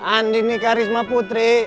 andin nih karisma putri